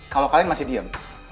kalau kalian masih diam